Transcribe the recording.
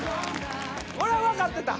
これは分かってた？